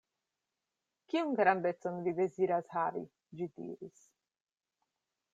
"Kiun grandecon vi deziras havi?" ĝi diris.